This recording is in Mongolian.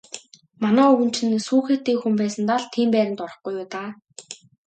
Манай өвгөн чинь сүүхээтэй хүн байсандаа л тийм байранд орохгүй юу даа.